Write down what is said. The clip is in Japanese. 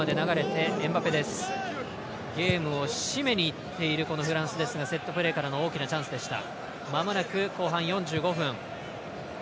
ゲームを締めにいっているフランスですがセットプレーからの大きなチャンスでした。